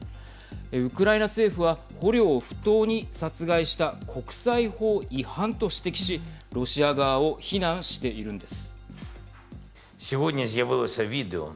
ウクライナ政府は捕虜を不当に殺害した国際法違反と指摘しロシア側を非難しているんです。